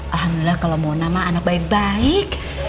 alhamdulillah kalo mona mah anak baik baik